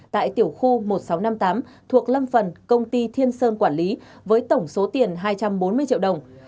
tại tiểu khu một nghìn sáu trăm năm mươi tám thuộc lâm phần công ty thiên sơn quản lý với tổng số tiền hai trăm bốn mươi triệu đồng